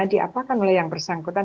diapakan oleh yang bersangkutan